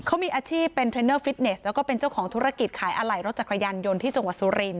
เขามีอาชีพเป็นเทรนเนอร์ฟิตเนสแล้วก็เป็นเจ้าของธุรกิจขายอะไหล่รถจักรยานยนต์ที่จังหวัดสุรินท